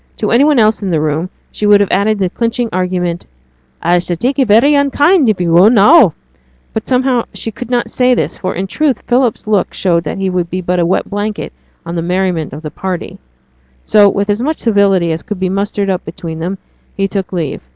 To any one else in the room she would have added the clinching argument, 'A shall take it very unkind if yo' go now'; but somehow she could not say this, for in truth Philip's look showed that he would be but a wet blanket on the merriment of the party. So, with as much civility as could be mustered up between them, he took leave.